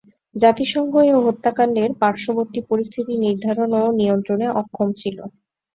জাতিসংঘ এ হত্যাকাণ্ডের পার্শ্ববর্তী পরিস্থিতি নির্ধারণ ও নিয়ন্ত্রণে অক্ষম ছিল।